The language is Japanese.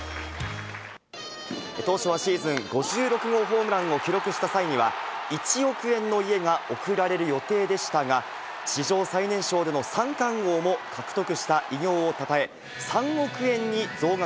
当初はシーズン５６号ホームランを記録した際には、１億円の家が贈られる予定でしたが、史上最年少での三冠王も獲得した偉業をたたえ、３億円に増額。